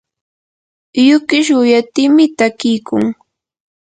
yukish quyatimi takiykun.